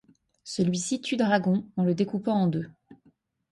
Celui-ci tue Dragon en le découpant en deux.